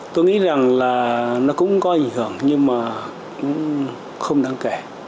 tôi nghĩ rằng là nó cũng có ảnh hưởng nhưng mà cũng không đáng kể